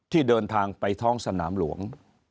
ที่เดินทางไปท้องสนามหลวง